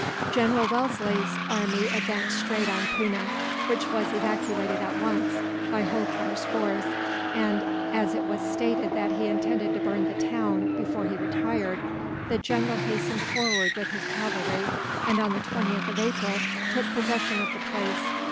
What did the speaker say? General Wellesley's army advanced straight on Poona, which was evacuated at once by Holkar's force and, as it was stated that he intended to burn the town, before he retired, the general hastened forward with his cavalry and, on the 20th of April, took possession of the place.